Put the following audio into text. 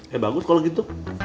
ya bagus kalau gitu